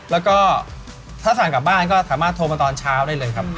แล้วก็ถ้าสั่งกลับบ้านก็สามารถโทรมาตอนเช้าได้เลยครับ